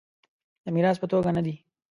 د میراث په توګه نه دی.